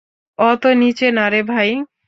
অত নিচে নারে ভাই!